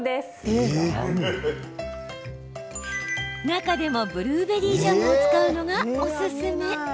中でも、ブルーベリージャムを使うのがおすすめ。